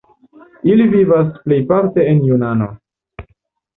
Ili vivas plejparte en Junano.